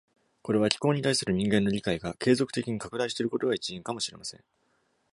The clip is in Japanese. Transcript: これは、気候に対する人間の理解が継続的に拡大していることが一因かもしれません。